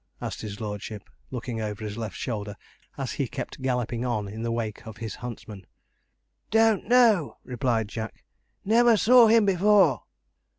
asked his lordship, looking over his left shoulder, as he kept galloping on in the wake of his huntsman. 'Don't know,' replied Jack; 'never saw him before.'